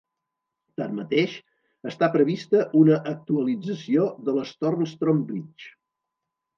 Tanmateix, està prevista una actualització del Storstrom Bridge.